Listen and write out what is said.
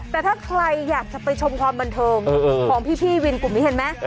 แต่ถ้าใครอยากจะไปชมความบันเทิงของพี่วินกลุ่มนี้เห็นไหม